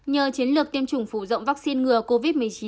nhờ chiến lược tiêm chủng phủ rộng vaccine ngừa covid một mươi chín